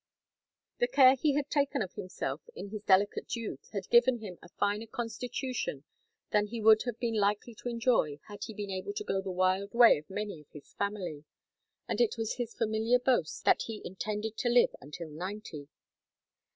The care he had taken of himself in his delicate youth had given him a finer constitution than he would have been likely to enjoy had he been able to go the wild way of many of his family; and it was his familiar boast that he intended to live until ninety.